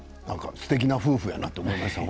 すてきな夫婦やなと思いました。